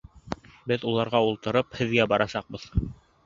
Беҙ уларға ултырып һеҙгә барасаҡбыҙ!